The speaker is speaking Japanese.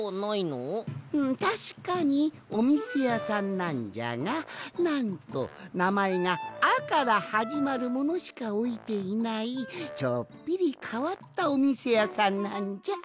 んたしかにおみせやさんなんじゃがなんとなまえが「あ」からはじまるものしかおいていないちょっぴりかわったおみせやさんなんじゃ。